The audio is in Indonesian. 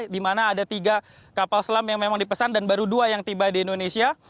di mana ada tiga kapal selam yang memang dipesan dan baru dua yang tiba di indonesia